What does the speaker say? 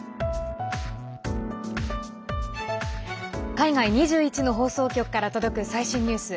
海外２１の放送局から届く最新ニュース。